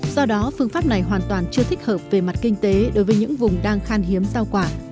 do đó phương pháp này hoàn toàn chưa thích hợp về mặt kinh tế đối với những vùng đang khan hiếm rau quả